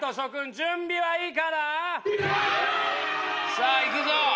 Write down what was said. さあいくぞ。